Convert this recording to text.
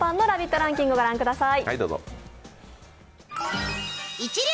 ランキング御覧ください。